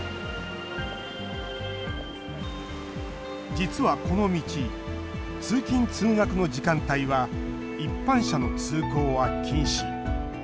実は、この道通勤・通学の時間帯は一般車の通行は禁止。